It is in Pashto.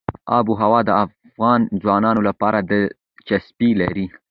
آب وهوا د افغان ځوانانو لپاره دلچسپي لري.